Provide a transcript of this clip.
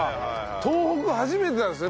東北初めてなんですね